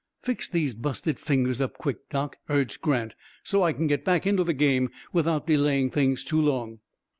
"Fix these busted fingers up quick, doc," urged Grant, "so I can get back into the game without delaying things too long."